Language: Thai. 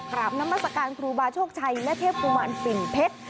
กราบน้ำบัสการครูบาโชคชัยและเทพปุมารปิ่นเพชร